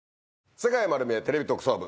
『世界まる見え！テレビ特捜部』